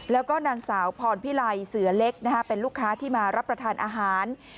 แล้วก็นางสาวพรพิไลเสือเล็กเป็นลูกค้าที่มารับประทานอาหาร